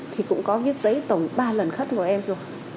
thì cũng có viết giấy tổng ba lần khất của em rồi